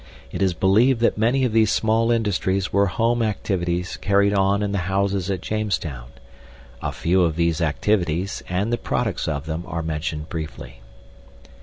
It is believed that many of these small industries were home activities carried on in the houses at Jamestown. A few of these activities, and the products of them are mentioned briefly.